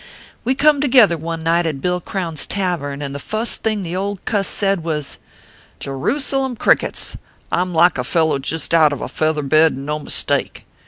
We cum together one night at Bill CroWn s tavern, and the fust thing the old cuss said was :" Jerewsalem crickets ! I m like a fellow jist out of a feather bed and no mistake.